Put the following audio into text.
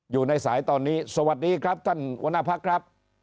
อยู่ในสายตอนนี้สวัสดีครับท่านหัวหน้าพักครับ